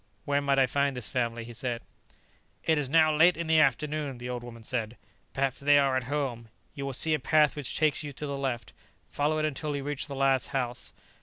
"Where might I find this family?" he said. "It is now late in the afternoon," the old woman said. "Perhaps they are at home. You will see a path which takes you to the left; follow it until you reach the last house.